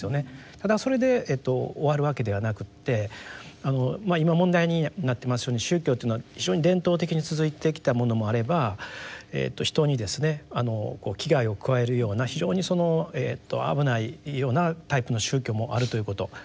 ただそれで終わるわけではなくて今問題になってますように宗教っていうのは非常に伝統的に続いてきたものもあれば人にですね危害を加えるような非常に危ないようなタイプの宗教もあるということ。